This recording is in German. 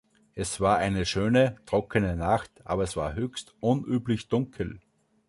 Es war eine schöne, trockene Nacht, aber es war höchst unüblich dunkel.